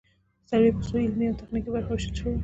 سروې په څو علمي او تخنیکي برخو ویشل شوې ده